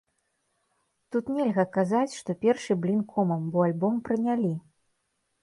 Тут нельга казаць, што першы блін комам, бо альбом прынялі.